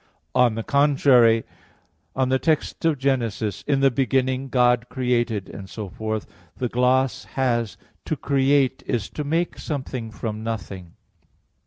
On the contrary, On the text of Gen. 1, "In the beginning God created," etc., the gloss has, "To create is to make something from nothing."